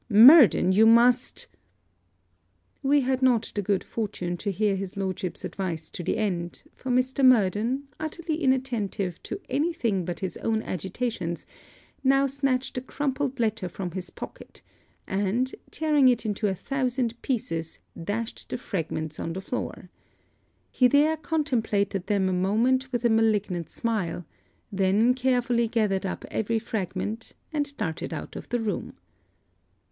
Murden, you must ' We had not the good fortune to hear his lordship's advice to the end: for Mr. Murden, utterly inattentive to any thing but his own agitations, now snatched a crumpled letter from his pocket; and, tearing it into a thousand pieces, dashed the fragments on the floor. He there contemplated them a moment with a malignant smile; then carefully gathered up every fragment, and darted out of the room.